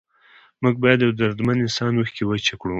موږ باید د یو دردمند انسان اوښکې وچې کړو.